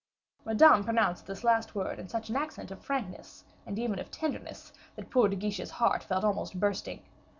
Madame pronounced this last word in such an accent of frankness, and even of tenderness, that poor De Guiche's heart felt almost bursting.